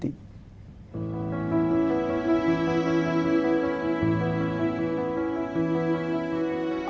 terima kasih pak